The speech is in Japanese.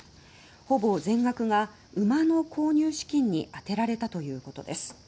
ほぼ全額が馬の購入資金に充てられたということです。